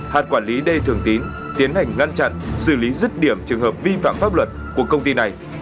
hạt quản lý đê thường tín tiến hành ngăn chặn xử lý rứt điểm trường hợp vi phạm pháp luật của công ty này